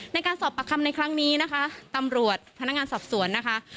ในการสอบปากคำในครั้งนี้นะคะตำรวจพนักงานสอบสวนนะคะ